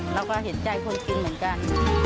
เราก็เห็นใจคนกินเหมือนกัน